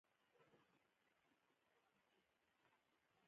مالداران د خپلو څارویو لپاره واښه راټولوي.